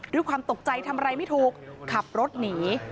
ด้วยความตกใจทำอะไรไม่ถูกขับรถหนี